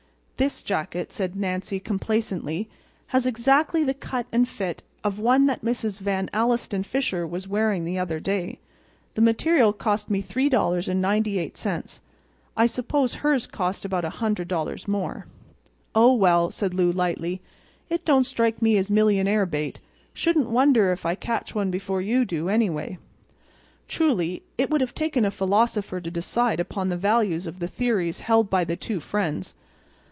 "This jacket," said Nancy, complacently, "has exactly the cut and fit of one that Mrs. Van Alstyne Fisher was wearing the other day. The material cost me $3.98. I suppose hers cost about $100. more." "Oh, well," said Lou lightly, "it don't strike me as millionaire bait. Shouldn't wonder if I catch one before you do, anyway." Truly it would have taken a philosopher to decide upon the values of the theories held by the two friends.